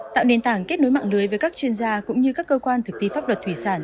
tạo nền tảng kết nối mạng lưới với các chuyên gia cũng như các cơ quan thực thi pháp luật thủy sản